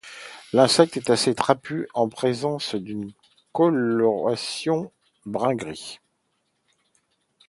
L'insecte est assez trapu et présente une coloration brun-gris.